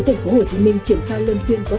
phố hồ chí minh triển khai luân phiên có